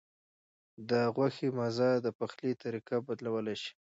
د غوښې مزه د پخلي طریقه بدلولی شي.